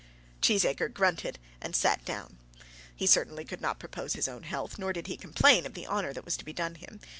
Cheesacre grunted and sat down. He certainly could not propose his own health, nor did he complain of the honour that was to be done him.